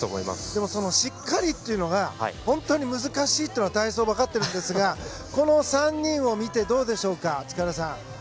でもそのしっかりというのが難しいというのは体操、分かっているんですがこの３人を見てどうでしょうか、塚原さん。